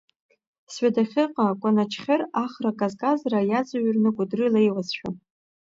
Сҩадахьыҟа Кәаначхьыр ахра казказра иаҵҩырны Кәыдры леиуазшәа.